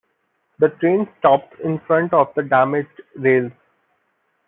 The train stopped in front of the damaged rails.